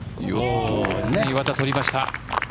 岩田、取りました。